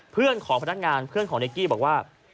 เพื่อนของพนักงานเพื่อนของในกี้บอกว่า